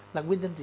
là nguyên nhân gì